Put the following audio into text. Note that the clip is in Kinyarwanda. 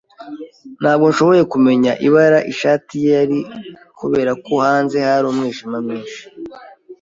Ntabwo nashoboye kumenya ibara ishati ye yari kubera ko hanze hari umwijima mwinshi.